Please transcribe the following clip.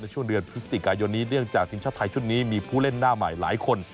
ช่วงเดือนพฤศจิกายนนี้เนื่องจากทีมชาติไทยชุดนี้มีผู้เล่นหน้าใหม่หลายคน